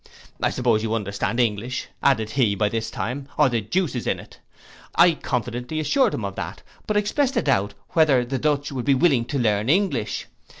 I suppose you understand English, added he, by this time, or the deuce is in it. I confidently assured him of that; but expressed a doubt whether the Dutch would be willing to learn English.